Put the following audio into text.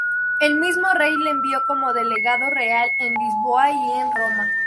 El mismo rey le envió como delegado real en Lisboa y en Roma.